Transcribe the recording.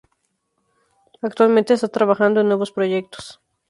Actualmente está trabajando en nuevos proyectos.